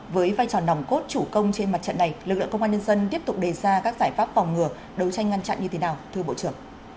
với vai trò nòng cốt chủ công trên mặt trận này lực lượng công an nhân dân tiếp tục đề ra các giải pháp phòng ngừa đấu tranh ngăn chặn như thế nào thưa bộ trưởng